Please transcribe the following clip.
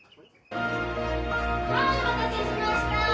はいお待たせしました。